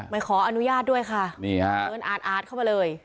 ไม่ขออนุญาตด้วยค่ะนี่ฮะเดินอาดอาดเข้ามาเลย